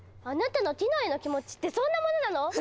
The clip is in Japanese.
あなたのティノへの気持ちってそんなものなの？